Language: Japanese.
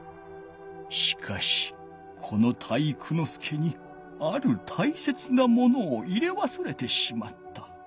しかしこの体育ノ介にあるたいせつなものを入れわすれてしまった。